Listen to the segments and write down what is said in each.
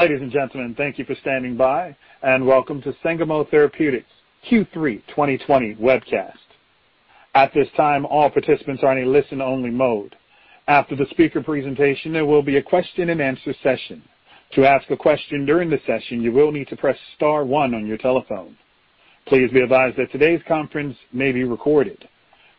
Ladies and gentlemen, thank you for standing by and welcome to Sangamo Therapeutics Q3 2020 webcast. At this time, all participants are in a listen-only mode. After the speaker presentation, there will be a question-and-answer session. To ask a question during the session, you will need to press star one on your telephone. Please be advised that today's conference may be recorded.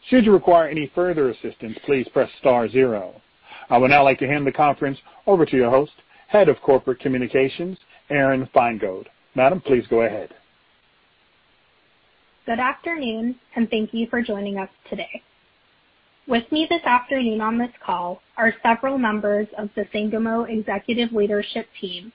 Should you require any further assistance, please press star zero. I would now like to hand the conference over to your host, Head of Corporate Communications, Aron Feingold. Madam, please go ahead. Good afternoon, and thank you for joining us today. With me this afternoon on this call are several members of the Sangamo Executive Leadership Team,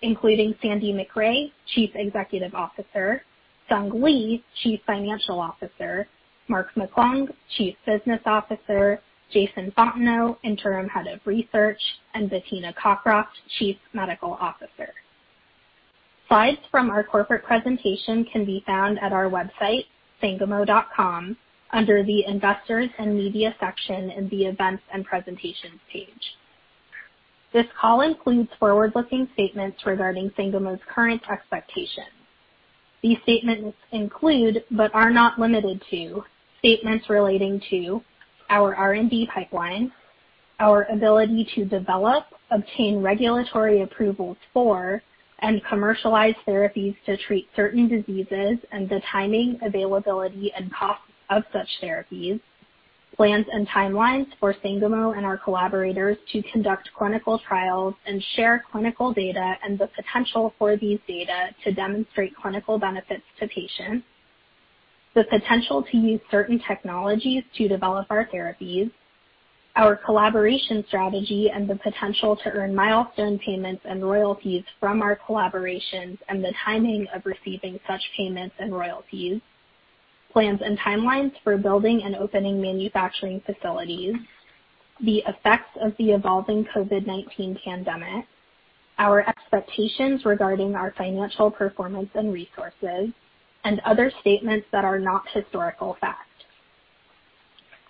including Sandy Macrae, Chief Executive Officer, Sung Lee, Chief Financial Officer, Mark McClung, Chief Business Officer, Jason Fontenot, Interim Head of Research, and Bettina Cockroft, Chief Medical Officer. Slides from our corporate presentation can be found at our website, sangamo.com, under the Investors and Media section in the Events and Presentations page. This call includes forward-looking statements regarding Sangamo's current expectations. These statements include, but are not limited to, statements relating to our R&D pipeline, our ability to develop, obtain regulatory approvals for, and commercialize therapies to treat certain diseases, and the timing, availability, and cost of such therapies, plans and timelines for Sangamo and our collaborators to conduct clinical trials and share clinical data, and the potential for these data to demonstrate clinical benefits to patients, the potential to use certain technologies to develop our therapies, our collaboration strategy, and the potential to earn milestone payments and royalties from our collaborations, and the timing of receiving such payments and royalties, plans and timelines for building and opening manufacturing facilities, the effects of the evolving COVID-19 pandemic, our expectations regarding our financial performance and resources, and other statements that are not historical facts.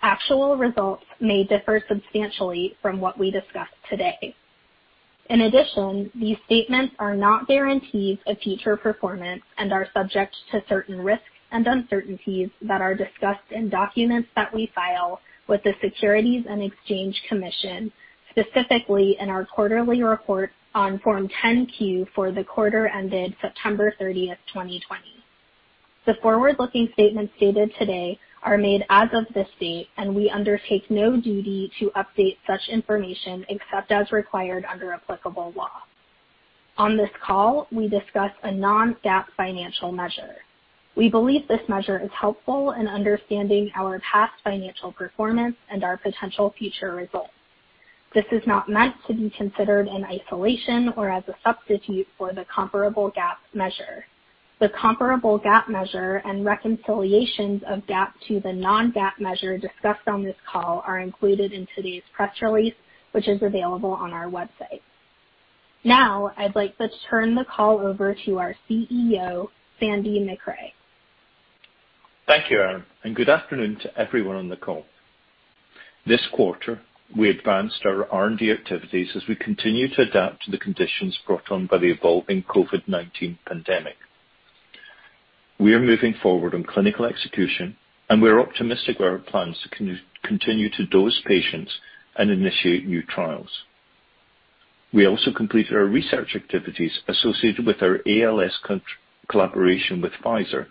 Actual results may differ substantially from what we discuss today. In addition, these statements are not guarantees of future performance and are subject to certain risks and uncertainties that are discussed in documents that we file with the Securities and Exchange Commission, specifically in our quarterly report on Form 10Q for the quarter ended September 30th, 2020. The forward-looking statements stated today are made as of this date, and we undertake no duty to update such information except as required under applicable law. On this call, we discuss a non-GAAP financial measure. We believe this measure is helpful in understanding our past financial performance and our potential future results. This is not meant to be considered in isolation or as a substitute for the comparable GAAP measure. The comparable GAAP measure and reconciliations of GAAP to the non-GAAP measure discussed on this call are included in today's press release, which is available on our website. Now, I'd like to turn the call over to our CEO, Sandy Macrae. Thank you, Aron, and good afternoon to everyone on the call. This quarter, we advanced our R&D activities as we continue to adapt to the conditions brought on by the evolving COVID-19 pandemic. We are moving forward on clinical execution, and we are optimistic with our plans to continue to dose patients and initiate new trials. We also completed our research activities associated with our ALS collaboration with Pfizer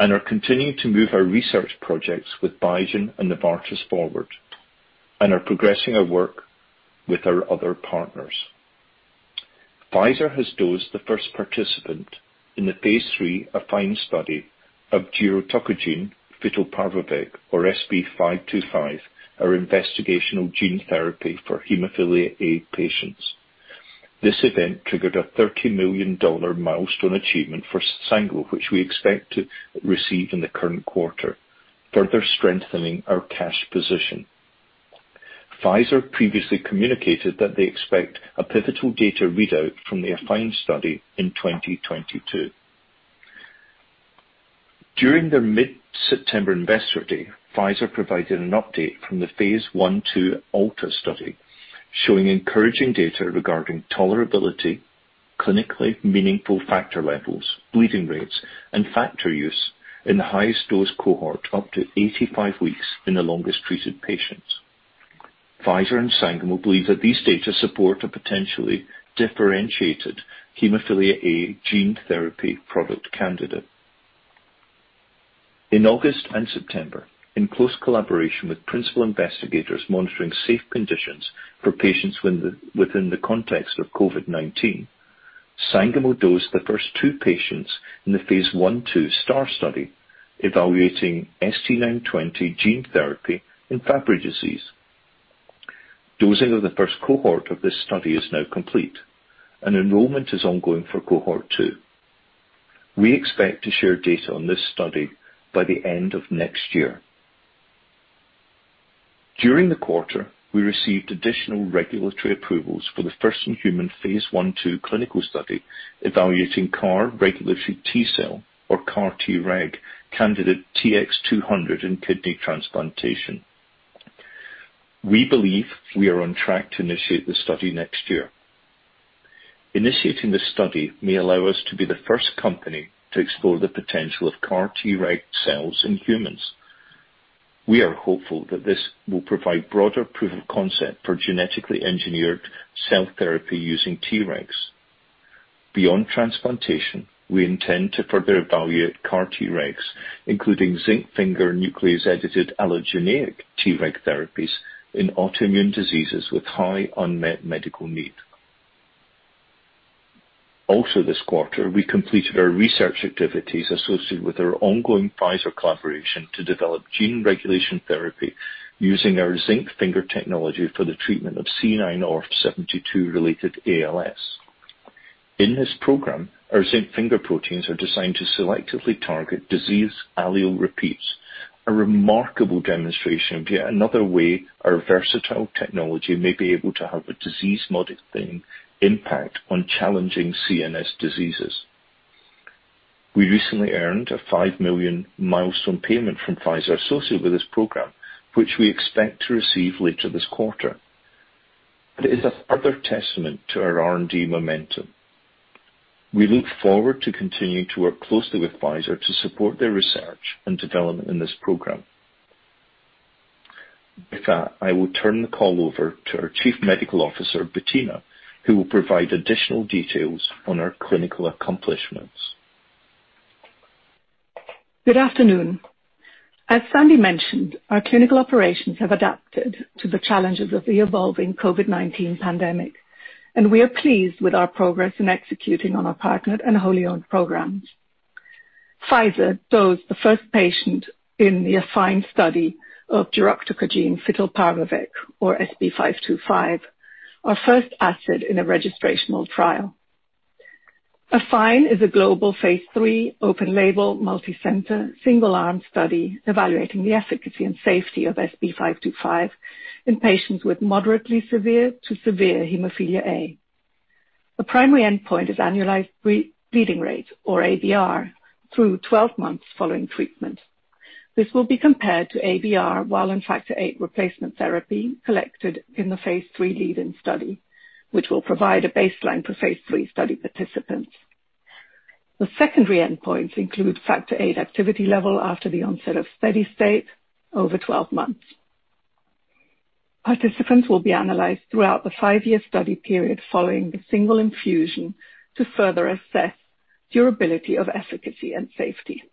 and are continuing to move our research projects with Biogen and Novartis forward, and are progressing our work with our other partners. Pfizer has dosed the first participant in the phase III of a fine study of girotocogene fitelparvovec, or SB-525, our investigational gene therapy for hemophilia A patients. This event triggered a $30 million milestone achievement for Sangamo, which we expect to receive in the current quarter, further strengthening our cash position. Pfizer previously communicated that they expect a pivotal data readout from their fine study in 2022. During their mid-September investor day, Pfizer provided an update from the phase I-II ALTA study showing encouraging data regarding tolerability, clinically meaningful factor levels, bleeding rates, and factor use in the highest dose cohort up to 85 weeks in the longest-treated patients. Pfizer and Sangamo believe that these data support a potentially differentiated hemophilia A gene therapy product candidate. In August and September, in close collaboration with principal investigators monitoring safe conditions for patients within the context of COVID-19, Sangamo dosed the first two patients in the phase I-II STAAR study evaluating ST-920 gene therapy in Fabry disease. Dosing of the first cohort of this study is now complete, and enrollment is ongoing for cohort two. We expect to share data on this study by the end of next year. During the quarter, we received additional regulatory approvals for the first in human phase I-II clinical study evaluating CAR regulatory T cell, or CAR Treg, candidate TX200 in kidney transplantation. We believe we are on track to initiate the study next year. Initiating the study may allow us to be the first company to explore the potential of CAR Treg cells in humans. We are hopeful that this will provide broader proof of concept for genetically engineered cell therapy using Tregs. Beyond transplantation, we intend to further evaluate CAR Tregs, including zinc finger nuclease-edited allogeneic Treg therapies in autoimmune diseases with high unmet medical need. Also, this quarter, we completed our research activities associated with our ongoing Pfizer collaboration to develop gene regulation therapy using our zinc finger technology for the treatment of C9orf72-related ALS. In this program, our zinc finger proteins are designed to selectively target disease allele repeats, a remarkable demonstration of yet another way our versatile technology may be able to have a disease-modifying impact on challenging CNS diseases. We recently earned a $5 million milestone payment from Pfizer associated with this program, which we expect to receive later this quarter. It is a further testament to our R&D momentum. We look forward to continuing to work closely with Pfizer to support their research and development in this program. With that, I will turn the call over to our Chief Medical Officer, Bettina, who will provide additional details on our clinical accomplishments. Good afternoon. As Sandy mentioned, our clinical operations have adapted to the challenges of the evolving COVID-19 pandemic, and we are pleased with our progress in executing on our partnered and wholly owned programs. Pfizer dosed the first patient in the AFFINE study of girotocogene fitelparvovec, or SB-525, our first asset in a registrational trial. AFFINE is a global phase III open-label, multi-center, single-arm study evaluating the efficacy and safety of SB-525 in patients with moderately severe to severe hemophilia A. The primary endpoint is annualized bleeding rate, or ABR, through 12 months following treatment. This will be compared to ABR while in Factor VIII replacement therapy collected in the phase III lead-in study, which will provide a baseline for phase III study participants. The secondary endpoints include Factor VIII activity level after the onset of steady state over 12 months. Participants will be analyzed throughout the five-year study period following the single infusion to further assess durability of efficacy and safety.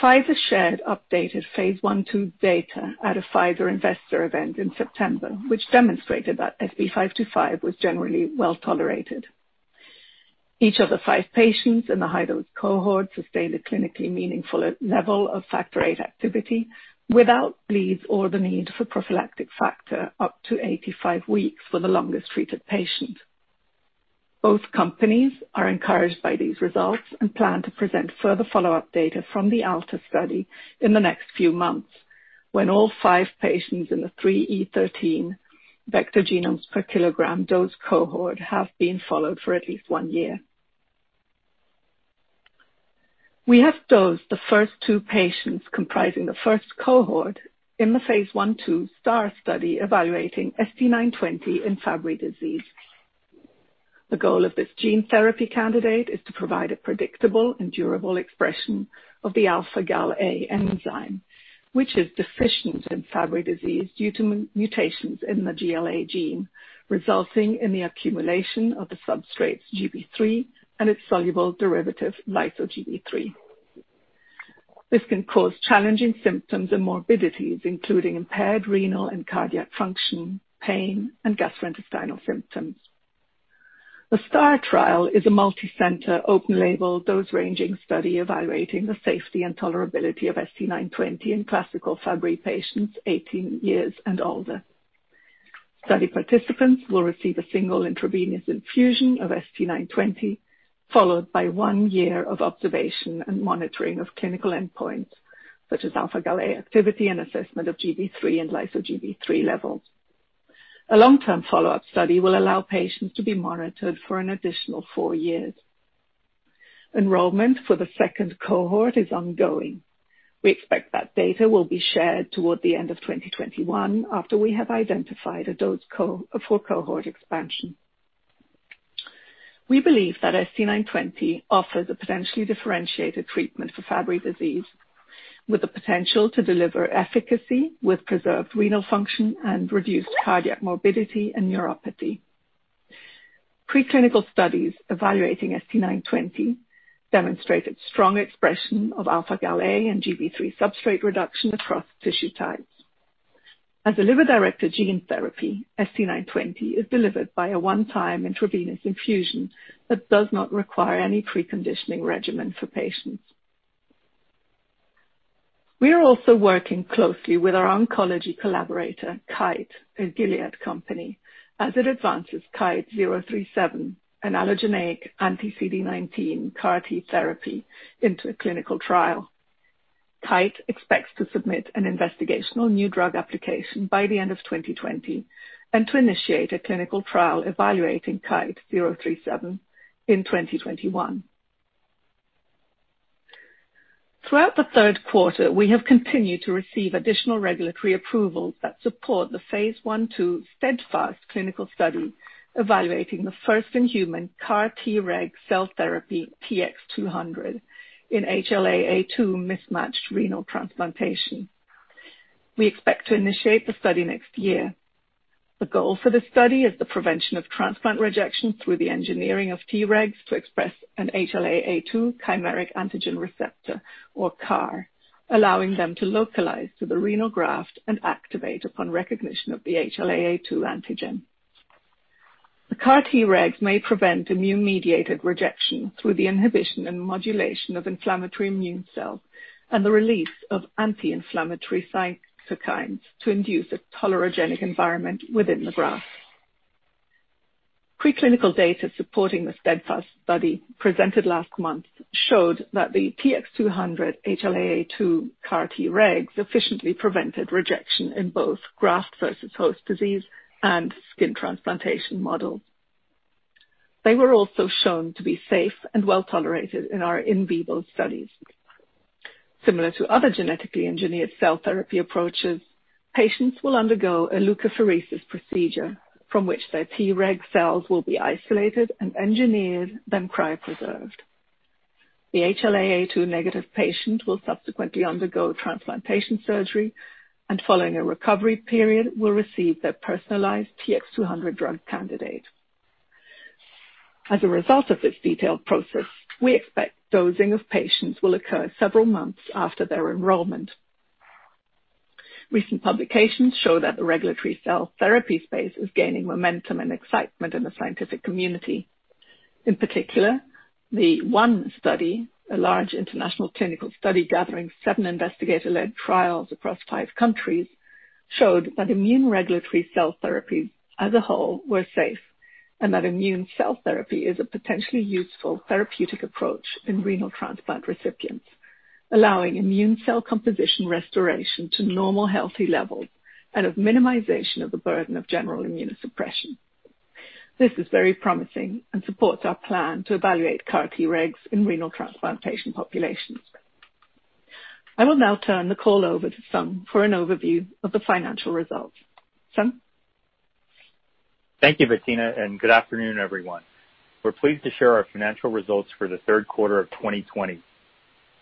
Pfizer shared updated phase I-II data at a Pfizer investor event in September, which demonstrated that SB-525 was generally well tolerated. Each of the five patients in the high-dose cohort sustained a clinically meaningful level of Factor VIII activity without bleeds or the need for prophylactic factor up to 85 weeks for the longest-treated patient. Both companies are encouraged by these results and plan to present further follow-up data from the ALTA study in the next few months when all five patients in the 3E13 vector genomes per kilogram dose cohort have been followed for at least one year. We have dosed the first two patients comprising the first cohort in the phase I-II STAAR study evaluating ST-920 in Fabry disease. The goal of this gene therapy candidate is to provide a predictable and durable expression of the alpha-GalA enzyme, which is deficient in Fabry disease due to mutations in the GLA gene, resulting in the accumulation of the substrate Gb3 and its soluble derivative, lyso-Gb3. This can cause challenging symptoms and morbidities, including impaired renal and cardiac function, pain, and gastrointestinal symptoms. The STAR trial is a multi-center, open-label, dose-ranging study evaluating the safety and tolerability of ST-920 in classical Fabry patients 18 years and older. Study participants will receive a single intravenous infusion of ST-920, followed by one year of observation and monitoring of clinical endpoints such as alpha-Gal activity and assessment of Gb3 and lyso-Gb3 levels. A long-term follow-up study will allow patients to be monitored for an additional four years. Enrollment for the second cohort is ongoing. We expect that data will be shared toward the end of 2021 after we have identified a dose for cohort expansion. We believe that ST-920 offers a potentially differentiated treatment for Fabry disease, with the potential to deliver efficacy with preserved renal function and reduced cardiac morbidity and neuropathy. Pre-clinical studies evaluating ST-920 demonstrated strong expression of alpha-Gal and Gb3 substrate reduction across tissue types. As a liver-directed gene therapy, ST-920 is delivered by a one-time intravenous infusion that does not require any preconditioning regimen for patients. We are also working closely with our oncology collaborator, KITE, a Gilead company, as it advances KITE-037, an allogeneic anti-CD19 CAR T therapy, into a clinical trial. KITE expects to submit an investigational new drug application by the end of 2020 and to initiate a clinical trial evaluating KITE-037 in 2021. Throughout the third quarter, we have continued to receive additional regulatory approvals that support the phase I-II steadfast clinical study evaluating the first in human CAR Treg cell therapy TX200 in HLA-A2 mismatched renal transplantation. We expect to initiate the study next year. The goal for the study is the prevention of transplant rejection through the engineering of Tregs to express an HLA-A2 chimeric antigen receptor, or CAR, allowing them to localize to the renal graft and activate upon recognition of the HLA-A2 antigen. The CAR Tregs may prevent immune-mediated rejection through the inhibition and modulation of inflammatory immune cells and the release of anti-inflammatory cytokines to induce a tolerogenic environment within the graft. Pre-clinical data supporting the steadfast study presented last month showed that the TX200 HLA-A2 CAR Tregs efficiently prevented rejection in both graft versus host disease and skin transplantation models. They were also shown to be safe and well tolerated in our in vivo studies. Similar to other genetically engineered cell therapy approaches, patients will undergo a leukapheresis procedure from which their Treg cells will be isolated and engineered, then cryopreserved. The HLA-A*02 negative patient will subsequently undergo transplantation surgery and, following a recovery period, will receive their personalized TX200 drug candidate. As a result of this detailed process, we expect dosing of patients will occur several months after their enrollment. Recent publications show that the regulatory cell therapy space is gaining momentum and excitement in the scientific community. In particular, the ONE study, a large international clinical study gathering seven investigator-led trials across five countries, showed that immune regulatory cell therapies as a whole were safe and that immune cell therapy is a potentially useful therapeutic approach in renal transplant recipients, allowing immune cell composition restoration to normal healthy levels and a minimization of the burden of general immunosuppression. This is very promising and supports our plan to evaluate CAR Tregs in renal transplantation populations. I will now turn the call over to Sung for an overview of the financial results. Sung? Thank you, Bettina, and good afternoon, everyone. We're pleased to share our financial results for the third quarter of 2020.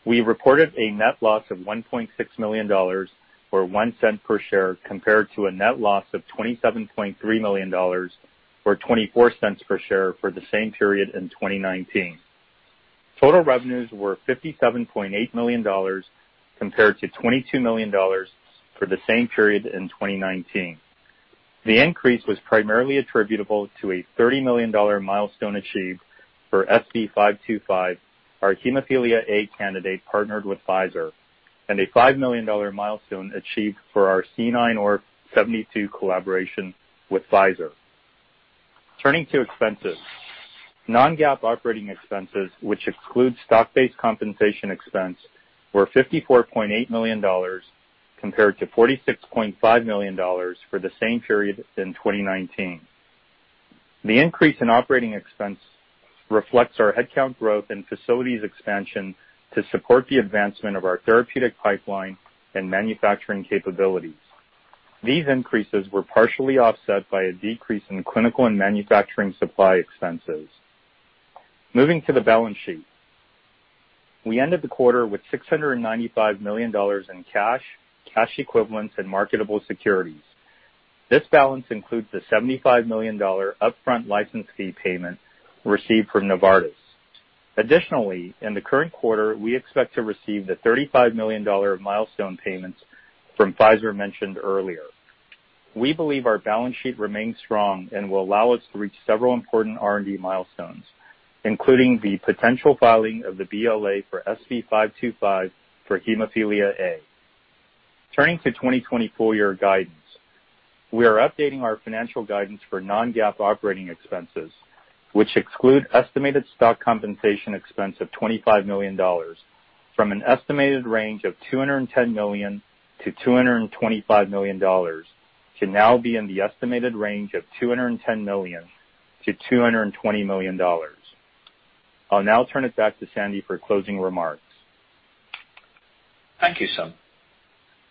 We reported a net loss of $1.6 million, or $0.01 per share, compared to a net loss of $27.3 million, or $0.24 per share, for the same period in 2019. Total revenues were $57.8 million, compared to $22 million for the same period in 2019. The increase was primarily attributable to a $30 million milestone achieved for SB-525, our hemophilia A candidate partnered with Pfizer, and a $5 million milestone achieved for our C9orf72 collaboration with Pfizer. Turning to expenses, non-GAAP operating expenses, which excludes stock-based compensation expense, were $54.8 million, compared to $46.5 million for the same period in 2019. The increase in operating expense reflects our headcount growth and facilities expansion to support the advancement of our therapeutic pipeline and manufacturing capabilities. These increases were partially offset by a decrease in clinical and manufacturing supply expenses. Moving to the balance sheet, we ended the quarter with $695 million in cash, cash equivalents, and marketable securities. This balance includes the $75 million upfront license fee payment received from Novartis. Additionally, in the current quarter, we expect to receive the $35 million milestone payments from Pfizer mentioned earlier. We believe our balance sheet remains strong and will allow us to reach several important R&D milestones, including the potential filing of the BLA for SB-525 for hemophilia A. Turning to 2024 year guidance, we are updating our financial guidance for non-GAAP operating expenses, which exclude estimated stock compensation expense of $25 million from an estimated range of $210 million-$225 million, to now be in the estimated range of $210 million-$220 million. I'll now turn it back to Sandy for closing remarks. Thank you, Sung.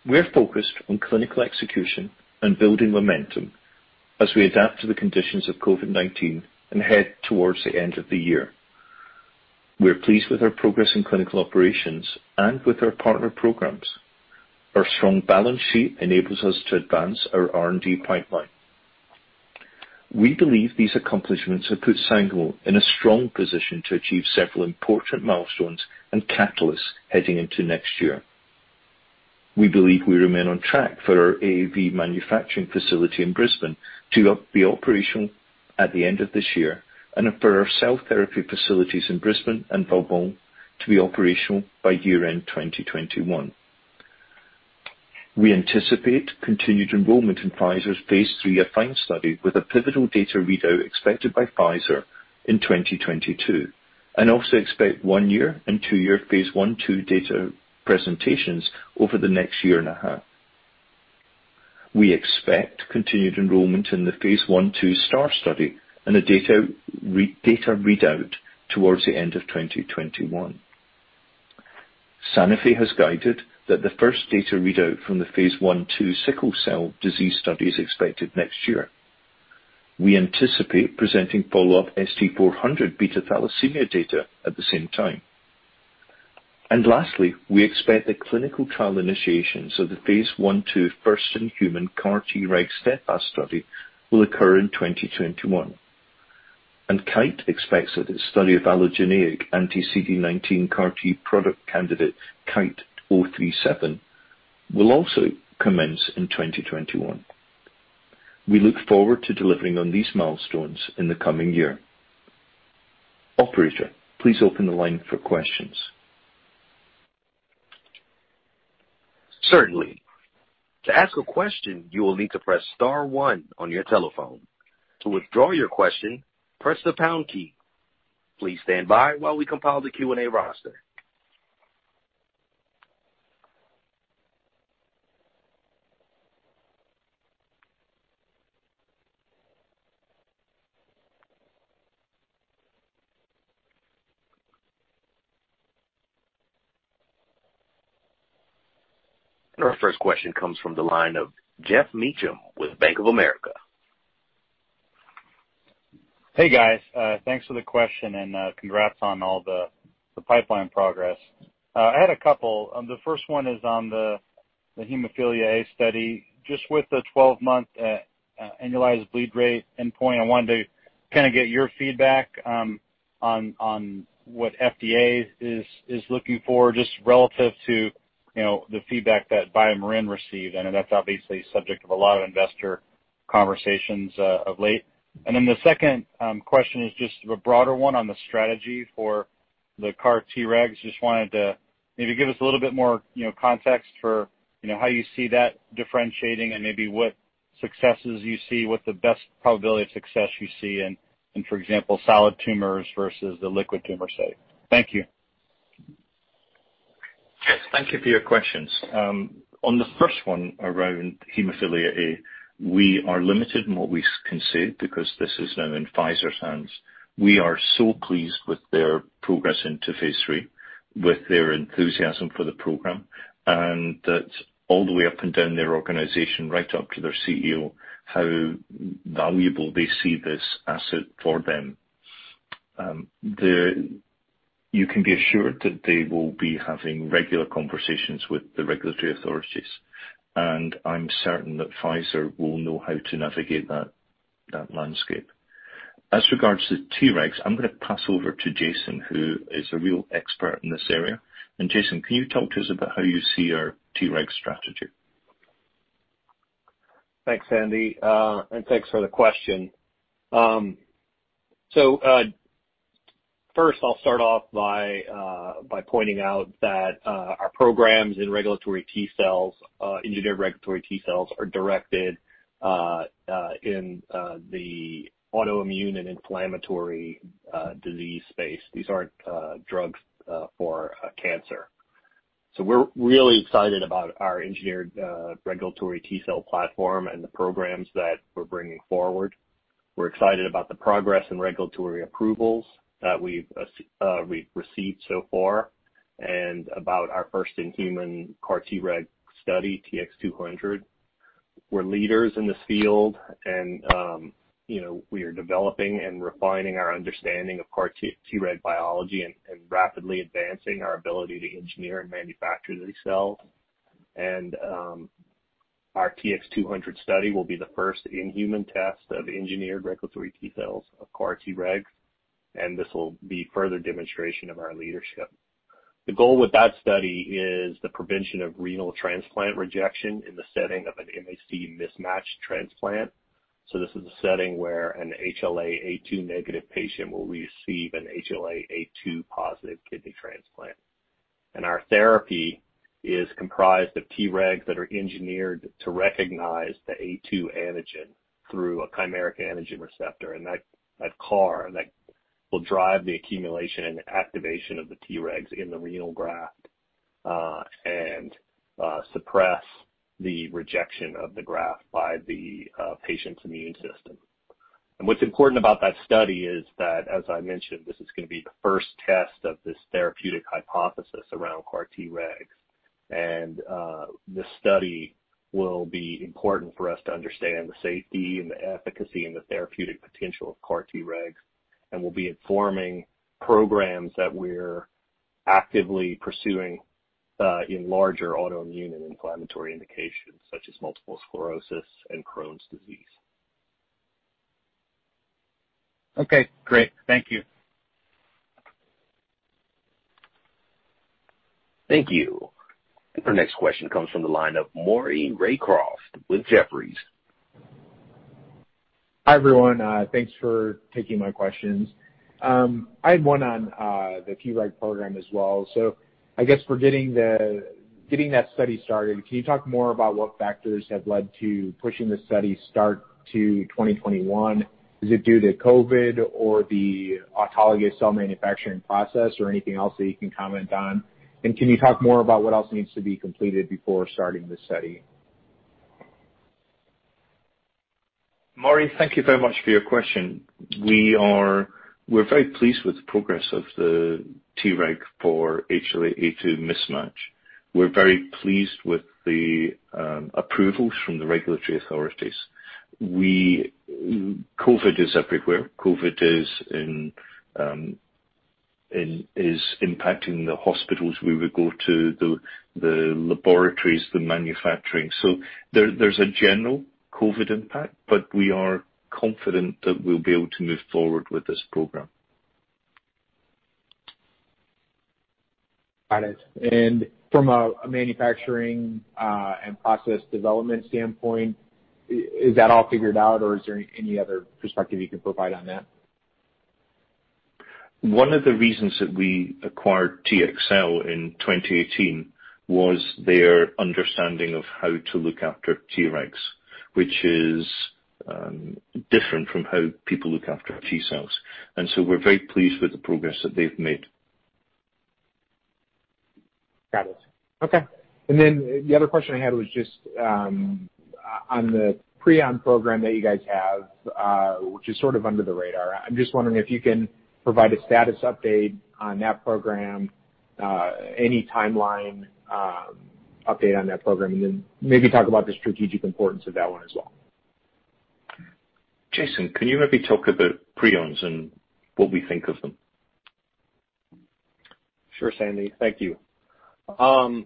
We're focused on clinical execution and building momentum as we adapt to the conditions of COVID-19 and head towards the end of the year. We're pleased with our progress in clinical operations and with our partner programs. Our strong balance sheet enables us to advance our R&D pipeline. We believe these accomplishments have put Sangamo in a strong position to achieve several important milestones and catalysts heading into next year. We believe we remain on track for our AAV manufacturing facility in Brisbane to be operational at the end of this year and for our cell therapy facilities in Brisbane and Vauban to be operational by year-end 2021. We anticipate continued enrollment in Pfizer's phase III fine study with a pivotal data readout expected by Pfizer in 2022, and also expect one-year and two-year phase I-II data presentations over the next year and a half. We expect continued enrollment in the phase I-II STAR study and a data readout towards the end of 2021. Sanofi has guided that the first data readout from the phase I-II sickle cell disease study is expected next year. We anticipate presenting follow-up ST-400 beta thalassemia data at the same time. Lastly, we expect the clinical trial initiations of the phase I-II first in human CAR Treg STEADFAST study will occur in 2021. KITE expects that its study of allogeneic anti-CD19 CAR T product candidate KITE-037 will also commence in 2021. We look forward to delivering on these milestones in the coming year. Operator, please open the line for questions. Certainly. To ask a question, you will need to press star one on your telephone. To withdraw your question, press the pound key. Please stand by while we compile the Q&A roster. Our first question comes from the line of Jeff Meacham with Bank of America. Hey, guys. Thanks for the question, and congrats on all the pipeline progress. I had a couple. The first one is on the hemophilia A study. Just with the 12-month annualized bleed rate endpoint, I wanted to kind of get your feedback on what FDA is looking for, just relative to the feedback that Bay and Marin received. That is obviously subject to a lot of investor conversations of late. The second question is just a broader one on the strategy for the CAR Tregs. Just wanted to maybe give us a little bit more context for how you see that differentiating and maybe what successes you see, what the best probability of success you see in, for example, solid tumors versus the liquid tumor study. Thank you. Yes. Thank you for your questions. On the first one around hemophilia A, we are limited in what we can say because this is now in Pfizer's hands. We are so pleased with their progress into phase III, with their enthusiasm for the program, and that's all the way up and down their organization, right up to their CEO, how valuable they see this asset for them. You can be assured that they will be having regular conversations with the regulatory authorities, and I'm certain that Pfizer will know how to navigate that landscape. As regards to Tregs, I'm going to pass over to Jason, who is a real expert in this area. Jason, can you talk to us about how you see our Treg strategy? Thanks, Sandy. And thanks for the question. First, I'll start off by pointing out that our programs in regulatory T cells, engineered regulatory T cells, are directed in the autoimmune and inflammatory disease space. These aren't drugs for cancer. We're really excited about our engineered regulatory T cell platform and the programs that we're bringing forward. We're excited about the progress in regulatory approvals that we've received so far and about our first in human CAR Treg study, TX200. We're leaders in this field, and we are developing and refining our understanding of CAR Treg biology and rapidly advancing our ability to engineer and manufacture these cells. Our TX200 study will be the first in-human test of engineered regulatory T cells of CAR Tregs, and this will be further demonstration of our leadership. The goal with that study is the prevention of renal transplant rejection in the setting of an MHC mismatch transplant. This is a setting where an HLA-A*02 negative patient will receive an HLA-A*02 positive kidney transplant. Our therapy is comprised of Tregs that are engineered to recognize the A*02 antigen through a chimeric antigen receptor, and that CAR will drive the accumulation and activation of the Tregs in the renal graft and suppress the rejection of the graft by the patient's immune system. What is important about that study is that, as I mentioned, this is going to be the first test of this therapeutic hypothesis around CAR Tregs. This study will be important for us to understand the safety and the efficacy and the therapeutic potential of CAR Tregs and will be informing programs that we're actively pursuing in larger autoimmune and inflammatory indications, such as multiple sclerosis and Crohn's disease. Okay. Great. Thank you. Thank you. Our next question comes from the line of Maury Raycroft with Jefferies. Hi, everyone. Thanks for taking my questions. I had one on the Treg program as well. I guess for getting that study started, can you talk more about what factors have led to pushing the study start to 2021? Is it due to COVID or the autologous cell manufacturing process or anything else that you can comment on? Can you talk more about what else needs to be completed before starting the study? Maury, thank you very much for your question. We're very pleased with the progress of the Treg for HLA-A*02 mismatch. We're very pleased with the approvals from the regulatory authorities. COVID is everywhere. COVID is impacting the hospitals we would go to, the laboratories, the manufacturing. There is a general COVID impact, but we are confident that we'll be able to move forward with this program. Got it. From a manufacturing and process development standpoint, is that all figured out, or is there any other perspective you can provide on that? One of the reasons that we acquired TxCell in 2018 was their understanding of how to look after Tregs, which is different from how people look after T cells. We are very pleased with the progress that they've made. Got it. Okay. The other question I had was just on the Preon program that you guys have, which is sort of under the radar. I'm just wondering if you can provide a status update on that program, any timeline update on that program, and then maybe talk about the strategic importance of that one as well. Jason, can you maybe talk about Preon and what we think of them? Sure, Sandy. Thank you. The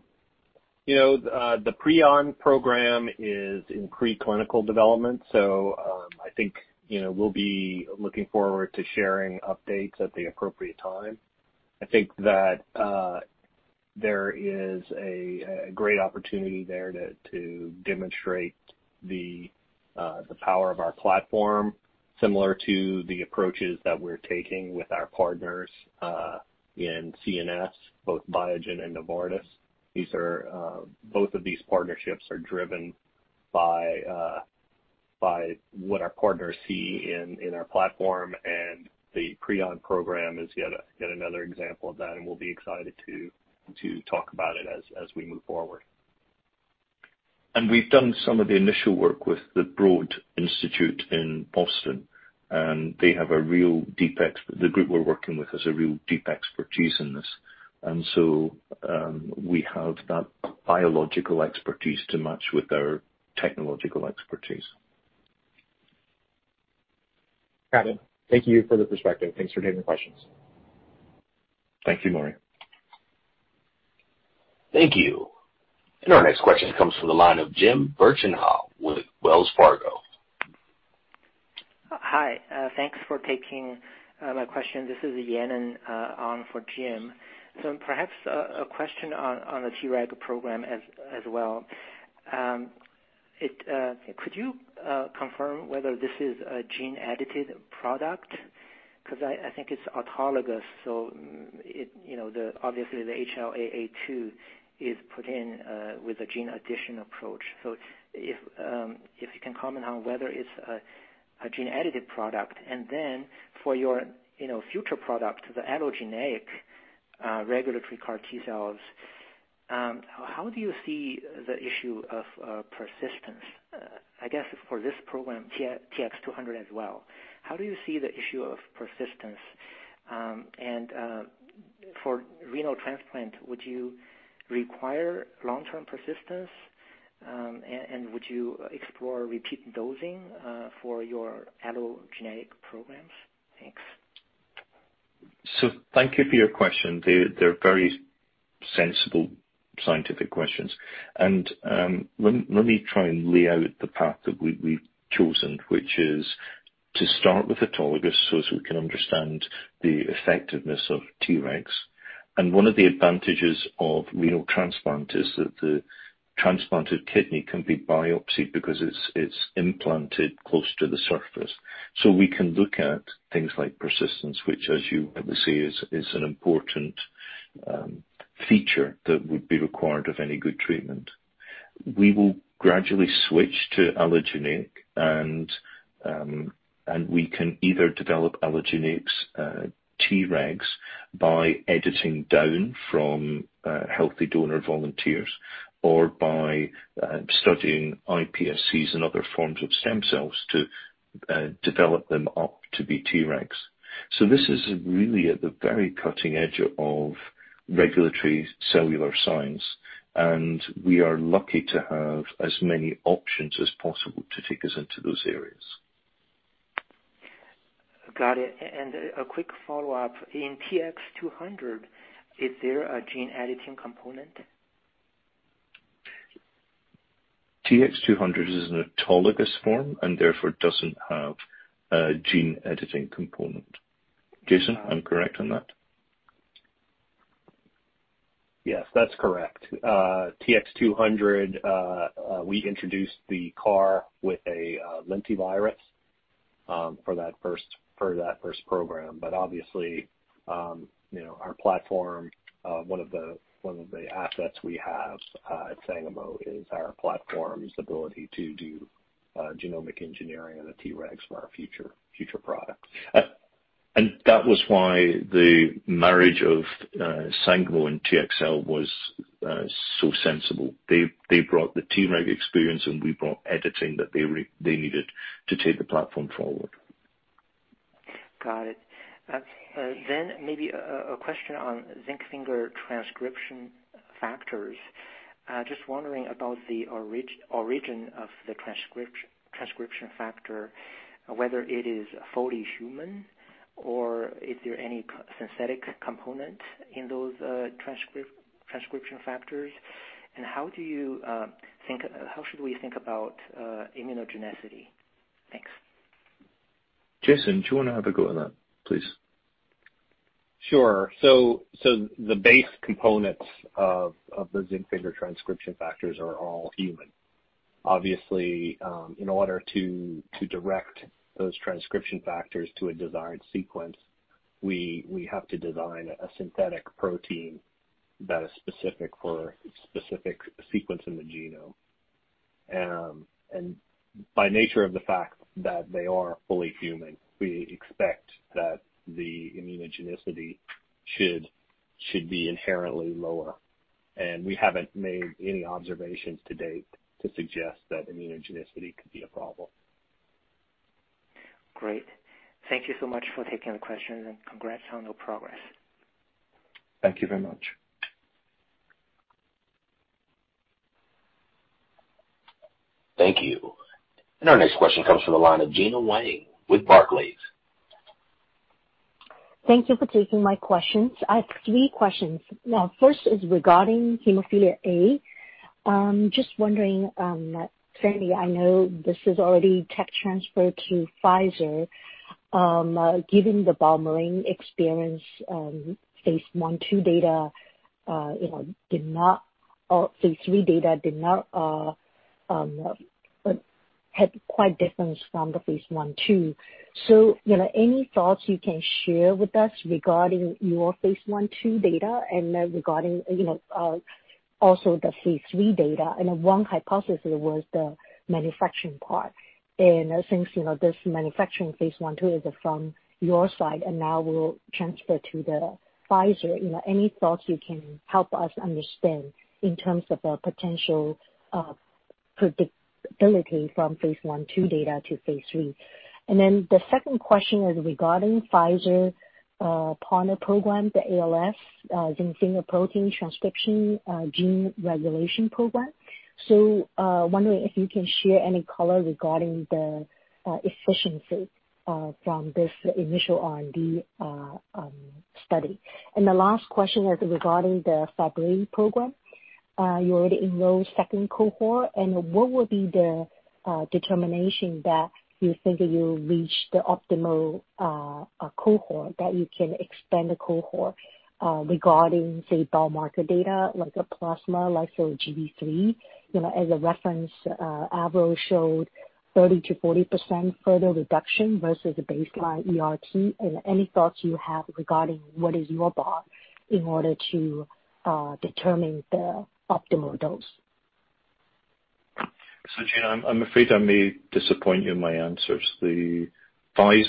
Preon program is in preclinical development, so I think we'll be looking forward to sharing updates at the appropriate time. I think that there is a great opportunity there to demonstrate the power of our platform, similar to the approaches that we're taking with our partners in CNS, both Biogen and Novartis. Both of these partnerships are driven by what our partners see in our platform, and the Preon program is yet another example of that, and we'll be excited to talk about it as we move forward. We have done some of the initial work with the Broad Institute in Boston, and they have a real deep—the group we are working with has a real deep expertise in this. We have that biological expertise to match with our technological expertise. Got it. Thank you for the perspective. Thanks for taking the questions. Thank you, Maury. Thank you. Our next question comes from the line of Jim Burchinal with Wells Fargo. Hi. Thanks for taking my question. This is Yen and on for Jim. Perhaps a question on the Treg program as well. Could you confirm whether this is a gene-edited product? I think it's autologous, so obviously the HLA-A2 is put in with a gene-addition approach. If you can comment on whether it's a gene-edited product. For your future product, the allogeneic regulatory CAR T cells, how do you see the issue of persistence? I guess for this program, TX200 as well. How do you see the issue of persistence? For renal transplant, would you require long-term persistence, and would you explore repeat dosing for your allogeneic programs? Thanks. Thank you for your question. They're very sensible scientific questions. Let me try and lay out the path that we've chosen, which is to start with autologous so as we can understand the effectiveness of Tregs. One of the advantages of renal transplant is that the transplanted kidney can be biopsied because it's implanted close to the surface. We can look at things like persistence, which, as you obviously see, is an important feature that would be required of any good treatment. We will gradually switch to allogeneic, and we can either develop allogeneic Tregs by editing down from healthy donor volunteers or by studying IPSCs and other forms of stem cells to develop them up to be Tregs. This is really at the very cutting edge of regulatory cellular science, and we are lucky to have as many options as possible to take us into those areas. Got it. A quick follow-up. In TX200, is there a gene-editing component? TX200 is an autologous form and therefore doesn't have a gene-editing component. Jason, I'm correct on that? Yes, that's correct. TX200, we introduced the CAR with a lentivirus for that first program. Obviously, our platform, one of the assets we have at Sangamo, is our platform's ability to do genomic engineering of the Tregs for our future products. That was why the marriage of Sangamo and TxCell was so sensible. They brought the Treg experience, and we brought editing that they needed to take the platform forward. Got it. Maybe a question on zinc finger transcription factors. Just wondering about the origin of the transcription factor, whether it is fully human or is there any synthetic component in those transcription factors. How do you think how should we think about immunogenicity? Thanks. Jason, do you want to have a go at that, please? Sure. The base components of the zinc finger transcription factors are all human. Obviously, in order to direct those transcription factors to a desired sequence, we have to design a synthetic protein that is specific for a specific sequence in the genome. By nature of the fact that they are fully human, we expect that the immunogenicity should be inherently lower. We haven't made any observations to date to suggest that immunogenicity could be a problem. Great. Thank you so much for taking the question, and congrats on the progress. Thank you very much. Thank you. Our next question comes from the line of Gena Wang with Barclays. Thank you for taking my questions. I have three questions. First is regarding hemophilia A. Just wondering, Sandy, I know this is already tech transfer to Pfizer. Given the bowel moving experience, phase I, II data did not, phase III data did not, had quite difference from the phase I, II. Any thoughts you can share with us regarding your phase I, II data and regarding also the phase III data? One hypothesis was the manufacturing part. Since this manufacturing phase I, II is from your side and now will transfer to Pfizer, any thoughts you can help us understand in terms of a potential predictability from phase I, II data to phase III? The second question is regarding Pfizer partner program, the ALS, zinc finger protein transcription gene regulation program. am wondering if you can share any color regarding the efficiency from this initial R&D study. The last question is regarding the Fabry program. You already enrolled the second cohort. What would be the determination that you think you reached the optimal cohort that you can expand the cohort regarding, say, biomarker data like a plasma like Gb3? As a reference, Avro showed 30%-40% further reduction versus a baseline ERT. Any thoughts you have regarding what is your bar in order to determine the optimal dose? Gena, I'm afraid I may disappoint you in my answers. The phase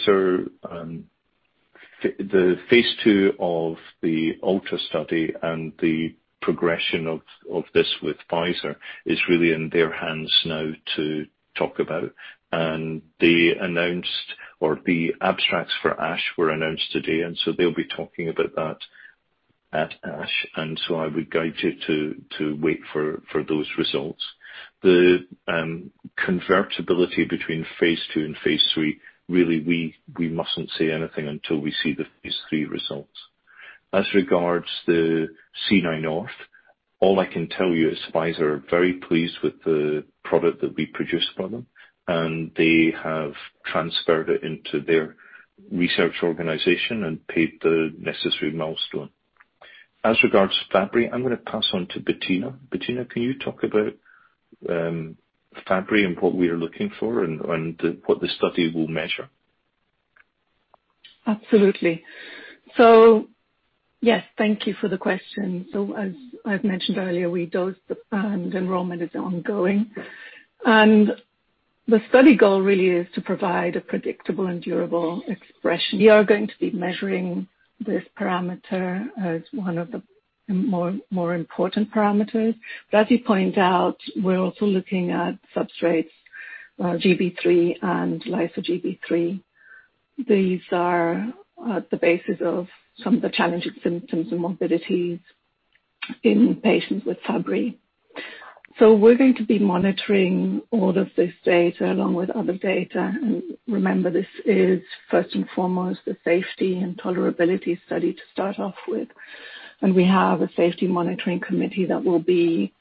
II of the ULTRA study and the progression of this with Pfizer is really in their hands now to talk about. The abstracts for ASH were announced today, and they'll be talking about that at ASH. I would guide you to wait for those results. The convertibility between phase II and phase III, really, we mustn't say anything until we see the phase III results. As regards the C9orf72, all I can tell you is Pfizer are very pleased with the product that we produced for them, and they have transferred it into their research organization and paid the necessary milestone. As regards to Fabry, I'm going to pass on to Bettina. Bettina, can you talk about Fabry and what we are looking for and what the study will measure? Absolutely. Yes, thank you for the question. As I've mentioned earlier, we dosed, and enrollment is ongoing. The study goal really is to provide a predictable and durable expression. We are going to be measuring this parameter as one of the more important parameters. As you point out, we're also looking at substrates, Gb3 and lyso-Gb3. These are at the basis of some of the challenging symptoms and morbidities in patients with Fabry. We are going to be monitoring all of this data along with other data. Remember, this is first and foremost a safety and tolerability study to start off with. We have a safety monitoring committee that will be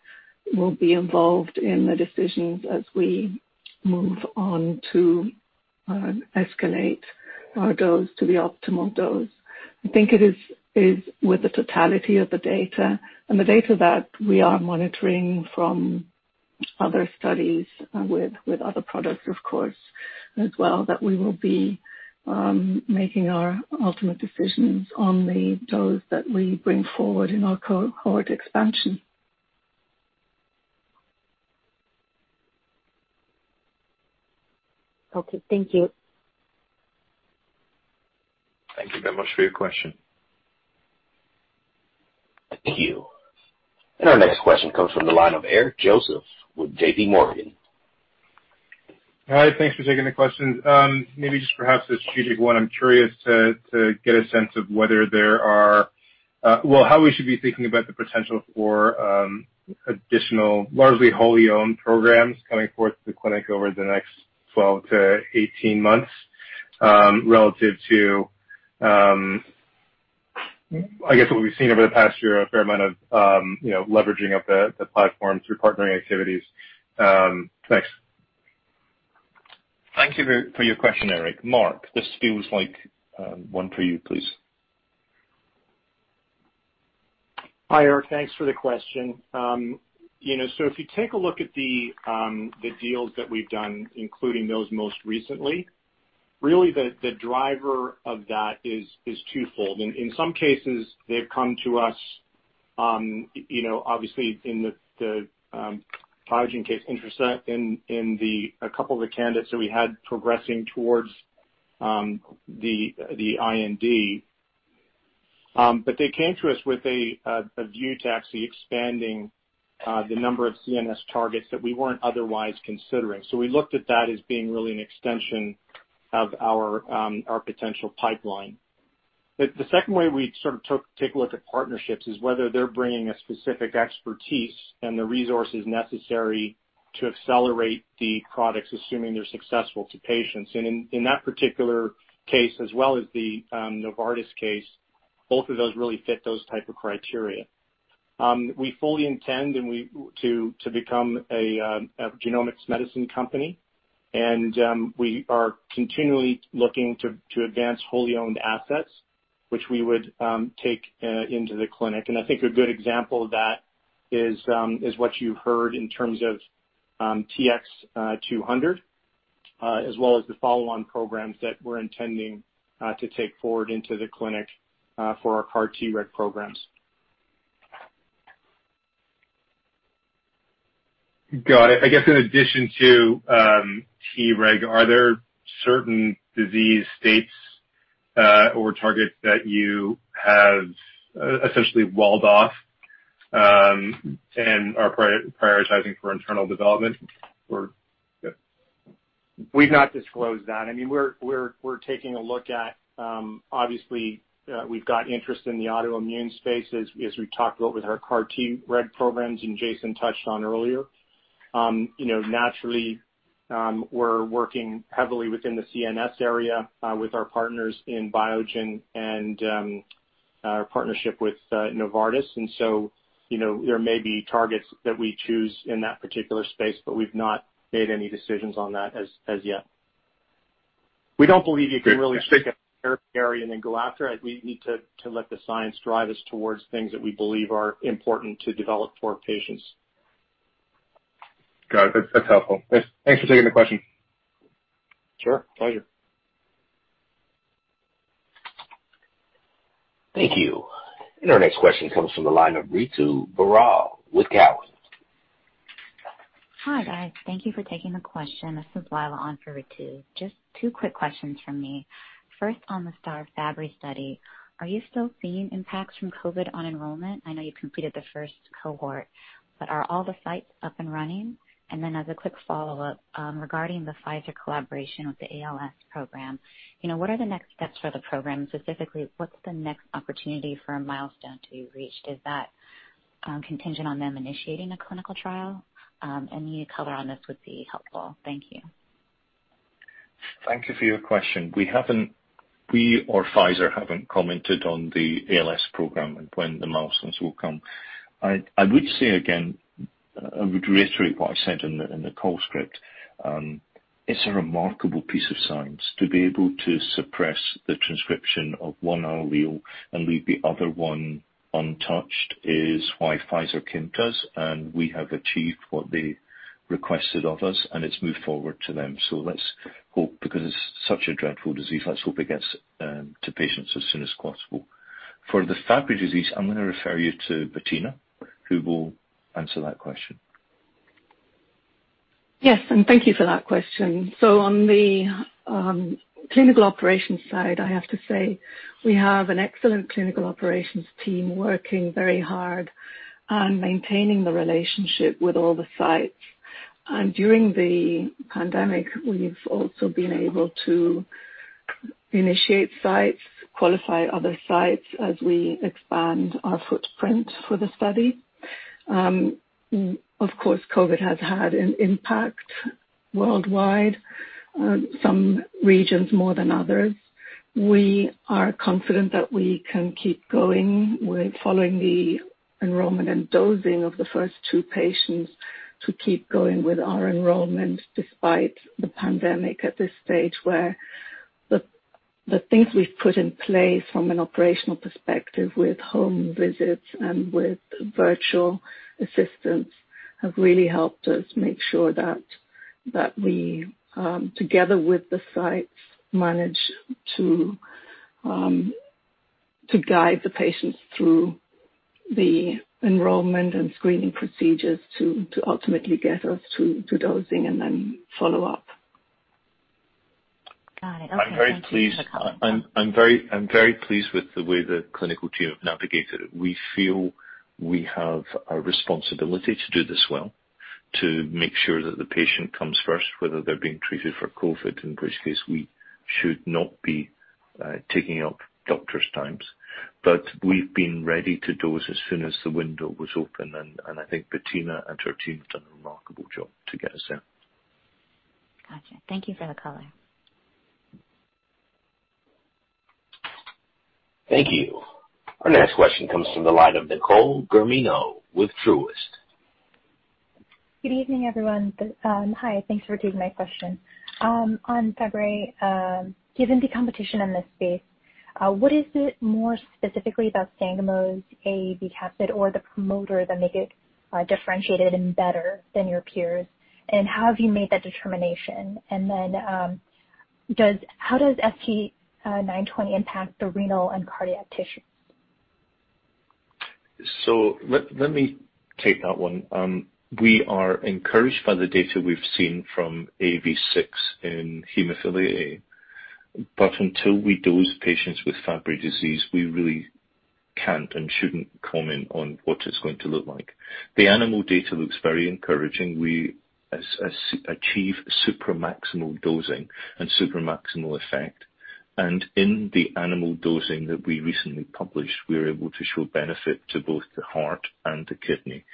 involved in the decisions as we move on to escalate our dose to the optimal dose. I think it is with the totality of the data, and the data that we are monitoring from other studies with other products, of course, as well, that we will be making our ultimate decisions on the dose that we bring forward in our cohort expansion. Okay. Thank you. Thank you very much for your question. Thank you. Our next question comes from the line of Eric Joseph with JPMorgan. Hi. Thanks for taking the question. Maybe just perhaps a strategic one. I'm curious to get a sense of whether there are, how we should be thinking about the potential for additional largely wholly-owned programs coming forth to the clinic over the next 12-18 months relative to, I guess, what we've seen over the past year, a fair amount of leveraging of the platform through partnering activities. Thanks. Thank you for your question, Eric. Mark, this feels like one for you, please. Hi, Eric. Thanks for the question. If you take a look at the deals that we've done, including those most recently, really the driver of that is twofold. In some cases, they've come to us, obviously, in the Biogen case, interested in a couple of the candidates that we had progressing towards the IND. They came to us with a view to actually expanding the number of CNS targets that we weren't otherwise considering. We looked at that as being really an extension of our potential pipeline. The second way we sort of take a look at partnerships is whether they're bringing a specific expertise and the resources necessary to accelerate the products, assuming they're successful, to patients. In that particular case, as well as the Novartis case, both of those really fit those type of criteria. We fully intend to become a genomics medicine company, and we are continually looking to advance wholly-owned assets, which we would take into the clinic. I think a good example of that is what you've heard in terms of TX200, as well as the follow-on programs that we're intending to take forward into the clinic for our CAR Treg programs. Got it. I guess in addition to Treg, are there certain disease states or targets that you have essentially walled off and are prioritizing for internal development? We've not disclosed that. I mean, we're taking a look at obviously, we've got interest in the autoimmune space, as we talked about with our CAR Treg programs and Jason touched on earlier. Naturally, we're working heavily within the CNS area with our partners in Biogen and our partnership with Novartis. There may be targets that we choose in that particular space, but we've not made any decisions on that as yet. We don't believe you can really pick a territory and then go after it. We need to let the science drive us towards things that we believe are important to develop for patients. Got it. That's helpful. Thanks for taking the question. Sure. Pleasure. Thank you. Our next question comes from the line of Ritu Barral with Cowen. Hi, guys. Thank you for taking the question. This is Lila on for Ritu. Just two quick questions from me. First, on the STAR Fabry study, are you still seeing impacts from COVID on enrollment? I know you completed the first cohort, but are all the sites up and running? As a quick follow-up regarding the Pfizer collaboration with the ALS program, what are the next steps for the program? Specifically, what's the next opportunity for a milestone to be reached? Is that contingent on them initiating a clinical trial? Any color on this would be helpful. Thank you. Thank you for your question. We or Pfizer haven't commented on the ALS program and when the milestones will come. I would say, again, I would reiterate what I said in the call script. It's a remarkable piece of science. To be able to suppress the transcription of one allele and leave the other one untouched is why Pfizer can't does. And we have achieved what they requested of us, and it's moved forward to them. Let's hope because it's such a dreadful disease, let's hope it gets to patients as soon as possible. For the Fabry disease, I'm going to refer you to Bettina, who will answer that question. Yes. Thank you for that question. On the clinical operations side, I have to say we have an excellent clinical operations team working very hard and maintaining the relationship with all the sites. During the pandemic, we have also been able to initiate sites, qualify other sites as we expand our footprint for the study. Of course, COVID has had an impact worldwide, some regions more than others. We are confident that we can keep going following the enrollment and dosing of the first two patients to keep going with our enrollment despite the pandemic at this stage, where the things we've put in place from an operational perspective with home visits and with virtual assistance have really helped us make sure that we, together with the sites, manage to guide the patients through the enrollment and screening procedures to ultimately get us to dosing and then follow up. Got it. Okay. I'm very pleased with the way the clinical team have navigated it. We feel we have a responsibility to do this well, to make sure that the patient comes first, whether they're being treated for COVID, in which case we should not be taking up doctors' times. We've been ready to dose as soon as the window was open. I think Bettina and her team have done a remarkable job to get us there. Gotcha. Thank you for the color. Thank you. Our next question comes from the line of Nicole Germino with Truist. Good evening, everyone. Hi. Thanks for taking my question. On Fabry, given the competition in this space, what is it more specifically about Sangamo's AB capsid or the promoter that make it differentiated and better than your peers? What have you made that determination? How does ST-920 impact the renal and cardiac tissues? Let me take that one. We are encouraged by the data we've seen from AV6 in hemophilia A. Until we dose patients with Fabry disease, we really can't and shouldn't comment on what it's going to look like. The animal data looks very encouraging. We achieve supramaximal dosing and supramaximal effect. In the animal dosing that we recently published, we were able to show benefit to both the heart and the kidney.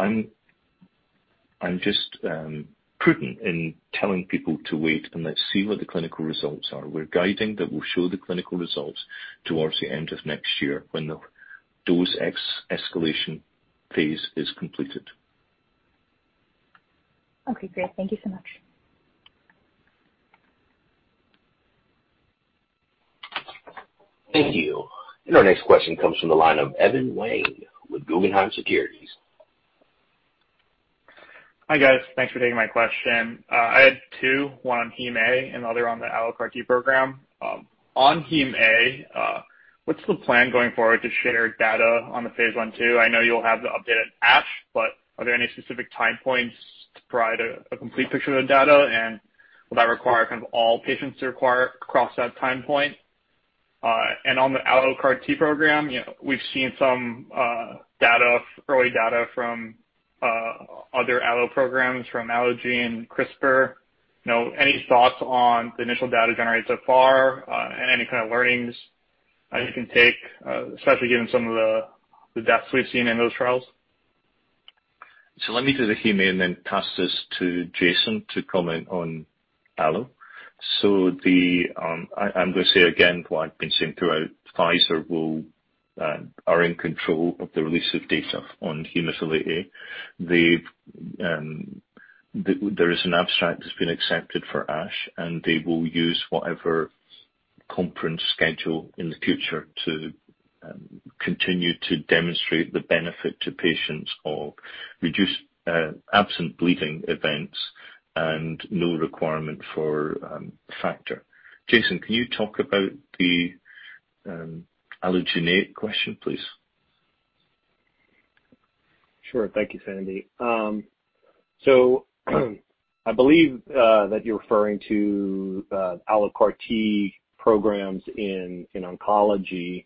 I'm just prudent in telling people to wait and let's see what the clinical results are. We're guiding that we'll show the clinical results towards the end of next year when the dose escalation phase is completed. Okay. Great. Thank you so much. Thank you. Our next question comes from the line of Evan Wang with Guggenheim Securities. Hi guys. Thanks for taking my question. I had two, one on Heme A and the other on the allogeneic CAR T program. On Heme A, what's the plan going forward to share data on the phase I, II? I know you'll have the updated ASH, but are there any specific time points to provide a complete picture of the data? Will that require kind of all patients to require across that time point? On the allogeneic CAR T program, we've seen some early data from other allo programs from Allogene and CRISPR. Any thoughts on the initial data generated so far and any kind of learnings you can take, especially given some of the deaths we've seen in those trials? Let me do the Heme A and then pass this to Jason to comment on allo. I'm going to say again what I've been saying throughout. Pfizer are in control of the release of data on hemophilia A. There is an abstract that's been accepted for ASH, and they will use whatever conference schedule in the future to continue to demonstrate the benefit to patients of absent bleeding events and no requirement for factor. Jason, can you talk about the allogeneic question, please? Sure. Thank you, Sandy. I believe that you're referring to allogeneic CAR T programs in oncology.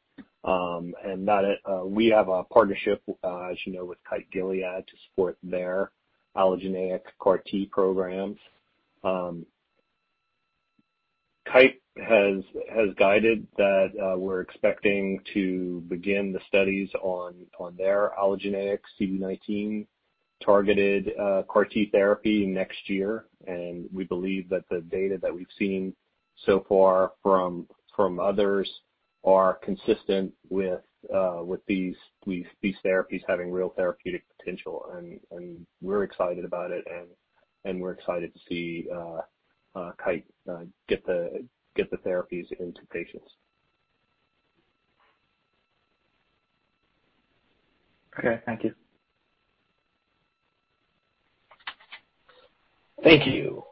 We have a partnership, as you know, with KITE Gilead to support their allogeneic CAR T programs. KITE has guided that we're expecting to begin the studies on their allogeneic CD19 targeted CAR T therapy next year. We believe that the data that we've seen so far from others are consistent with these therapies having real therapeutic potential. We're excited about it, and we're excited to see KITE get the therapies into patients. Okay. Thank you. Thank you.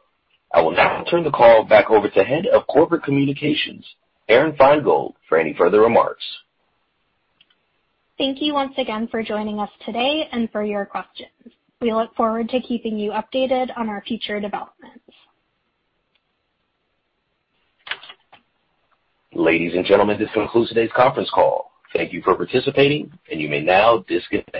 I will now turn the call back over to Head of Corporate Communications, Aron Feingold, for any further remarks. Thank you once again for joining us today and for your questions. We look forward to keeping you updated on our future developments. Ladies and gentlemen, this concludes today's conference call. Thank you for participating, and you may now disconnect.